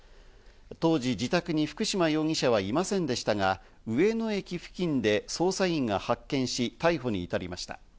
当時、自宅に福島容疑者はいませんでしたが、上野駅付近で捜査員が発見し、逮捕に至りました。